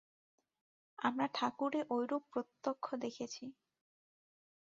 আমরা ঠাকুরে ঐরূপ প্রত্যক্ষ দেখেছি।